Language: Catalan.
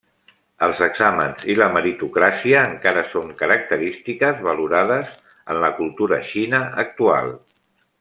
Els exàmens i la meritocràcia encara són característiques valorades en la cultura xina actual.